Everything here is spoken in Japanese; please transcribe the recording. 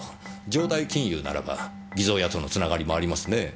城代金融ならば偽造屋とのつながりもありますねぇ。